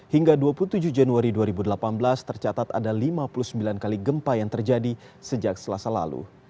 hingga dua puluh tujuh januari dua ribu delapan belas tercatat ada lima puluh sembilan kali gempa yang terjadi sejak selasa lalu